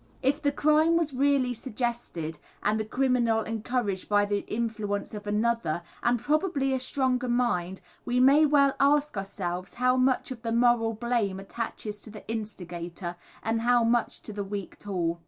If the crime was really suggested and the criminal encouraged by the influence of another, and probably a stronger mind, we may well ask ourselves how much of the moral blame attaches to the instigator, and how much to the weak tool.